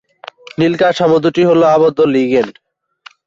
নীল কাঠামো দুটি হল আবদ্ধ লিগ্যান্ড।